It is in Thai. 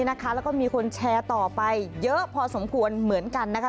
แล้วก็มีคนแชร์ต่อไปเยอะพอสมควรเหมือนกันนะคะ